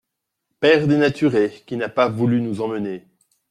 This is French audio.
Père dénaturé, qui n'a pas voulu nous emmener !